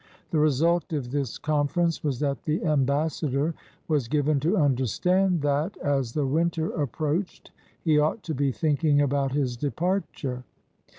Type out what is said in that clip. The result of this con ference was that the ambassador was given to under stand that, as the winter approached, he ought to be thinking about his departure.